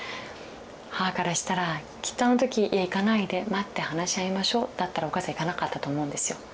母からしたらきっとあの時「いや行かないで待って話し合いましょう」だったらお母さん行かなかったと思うんですよ。